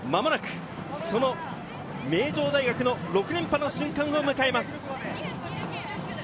間もなく、その名城大学の６連覇の瞬間を迎えます。